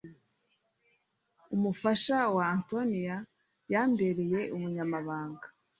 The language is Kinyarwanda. umufasha we antoniya yambereye umunyamabanga